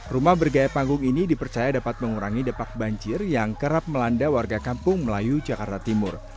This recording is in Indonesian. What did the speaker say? rumah bergaya panggung ini dipercaya dapat mengurangi depak banjir yang kerap melanda warga kampung melayu jakarta timur